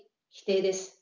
否定です。